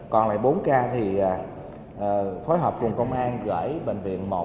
còn lại bốn ca thì phối hợp cùng công an gửi bệnh viện một